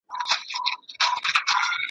کونړ او خیبر پوري ټولو پښتنو لبیک ویلی دی `